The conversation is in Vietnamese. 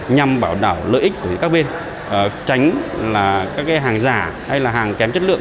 nhằm bảo đảo lợi ích của các bên tránh các hàng giả hay hàng kém chất lượng